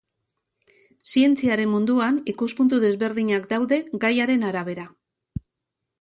Zientziaren munduan ikuspuntu desberdinak daude gaiaren arabera.